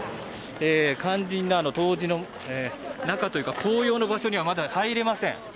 肝心な東寺の中というか紅葉の場所にはまだ入れません。